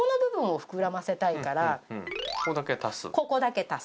ここだけ足す？